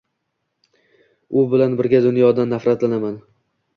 U bilan birga dunyodan nafratlanaman